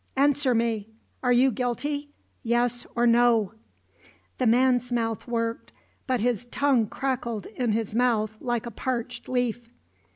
"Answer me. Are you guilty? Yes or no?" The man's mouth worked, but his tongue crackled in his mouth like a parched leaf.